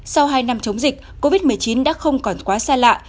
sau hai năm chống dịch covid một mươi chín đã không còn quá xa lạ